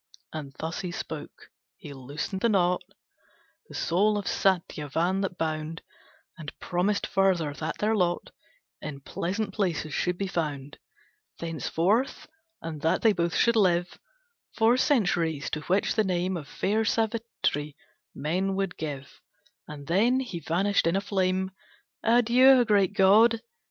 As thus he spoke, he loosed the knot The soul of Satyavan that bound, And promised further that their lot In pleasant places should be found Thenceforth, and that they both should live Four centuries, to which the name Of fair Savitri, men would give, And then he vanished in a flame. "Adieu, great god!"